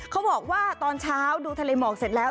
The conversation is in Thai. เขาบอกว่าตอนเช้าดูทะเลหมอกเสร็จแล้ว